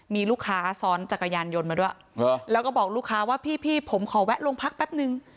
มีลูกค้าซ้อนจักรยานยนต์มาด้วยแล้วก็บอกลูกค้าว่าพี่ผมขอแวะลงพักแป๊บนึง